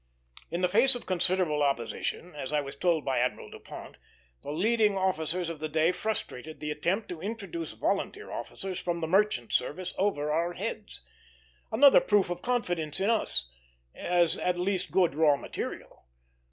In the face of considerable opposition, as I was told by Admiral Dupont, the leading officers of the day frustrated the attempt to introduce volunteer officers from the merchant service over our heads; another proof of confidence in us, as at least good raw material.